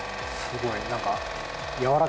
すごい何か。